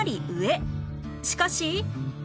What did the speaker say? しかし